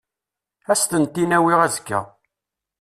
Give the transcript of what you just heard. Ad as-tent-in-awiɣ azekka.